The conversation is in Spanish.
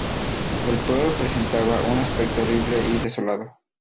El pueblo presentaba un aspecto horrible y desolado.